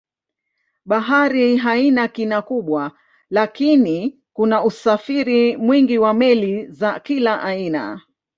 Bahari haina kina kubwa lakini kuna usafiri mwingi wa meli za kila aina.